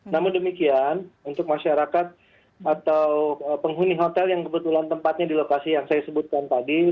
namun demikian untuk masyarakat atau penghuni hotel yang kebetulan tempatnya di lokasi yang saya sebutkan tadi